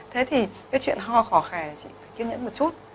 thế thì cái chuyện ho khò khè chị phải kiên nhẫn một chút